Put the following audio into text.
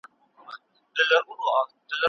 سیاستوال څنګه سیاسي بندیان خوشي کوي؟